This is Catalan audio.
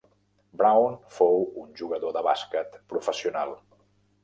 Brown fou un jugador de bàsquet professional.